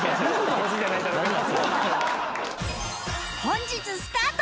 本日スタート！